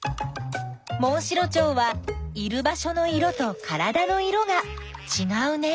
モンシロチョウはいる場所の色とからだの色がちがうね。